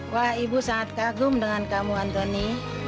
wah ibu sangat kagum dengan kamu antoni